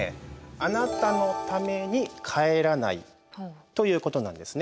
「あなたのために、帰らない」ということなんですね。